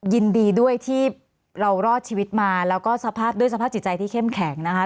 ยินดีด้วยที่เรารอดชีวิตมาแล้วก็สภาพด้วยสภาพจิตใจที่เข้มแข็งนะคะ